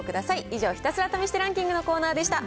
以上、ひたすら試してランキングでした。